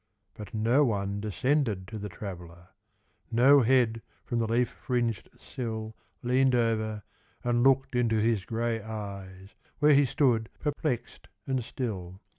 But no one descended to the Traveller; No head from the leaf fringed sill Leaned over and looked into his grey eyes, Where he stood perplexed and still.